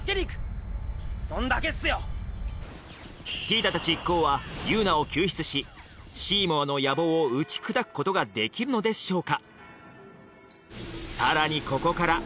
ティーダ達一行はユウナを救出しシーモアの野望を打ち砕くことができるのでしょうか